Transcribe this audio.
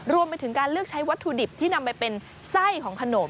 รวมไปถึงการเลือกใช้วัตถุดิบที่นำไปเป็นไส้ของขนม